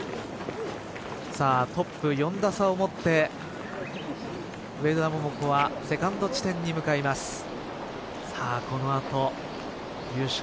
トップ４打差を持って上田桃子はセカンド地点に向かいます。